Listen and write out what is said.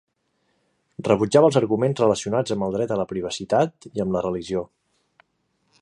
Rebutjava els arguments relacionats amb el dret a la privacitat i amb la religió.